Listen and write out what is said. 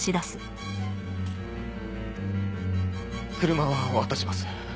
車は渡します。